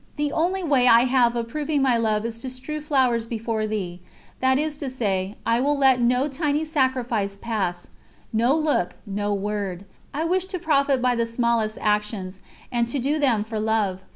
The only way I have of proving my love is to strew flowers before Thee that is to say, I will let no tiny sacrifice pass, no look, no word. I wish to profit by the smallest actions, and to do them for Love.